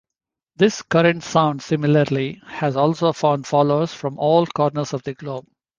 This current sound similarly has also found followers from all corners of the globe.